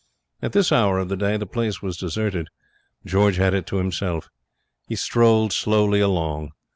At this hour of the day the place was deserted; George had it to himself. He strolled slowly along.